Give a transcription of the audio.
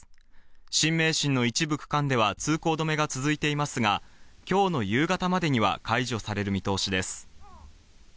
新名神の一部区間では通行止めが続いていますが、今日の夕方までには解除される見通しです。